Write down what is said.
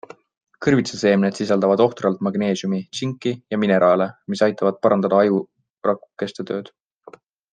Kõrvitsaseemned sisaldavad ohtralt magneesiumi, tsinki ja mineraale, mis aitavad parandada ajurakukeste tööd.